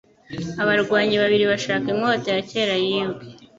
Abarwanyi babiri bashaka inkota ya kera yibwe